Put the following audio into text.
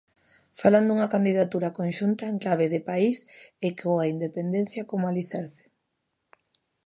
Falan dunha candidatura conxunta en clave de país e coa independencia como alicerce.